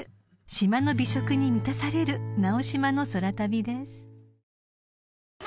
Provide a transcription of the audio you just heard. ［島の美食に満たされる直島の空旅です］